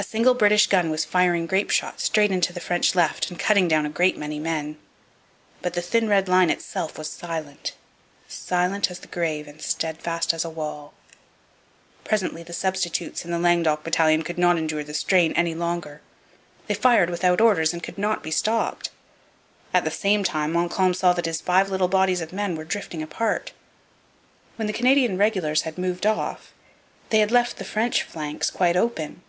A single British gun was firing grape shot straight into the French left and cutting down a great many men. But the thin red line itself was silent; silent as the grave and steadfast as a wall. Presently the substitutes in the Languedoc battalion could not endure the strain any longer. They fired without orders and could not be stopped. At the same time Montcalm saw that his five little bodies of men were drifting apart. When the Canadian regulars had moved off, they had left the French flanks quite open.